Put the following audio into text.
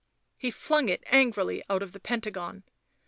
He flung it angrily out of the pentagon.